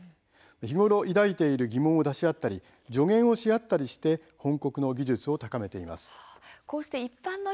日頃、抱いている疑問を出し合ったり助言をし合ったりして翻刻の技術を高めています。